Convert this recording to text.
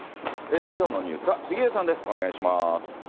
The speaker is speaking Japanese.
きょうのニュースは杉上さんです。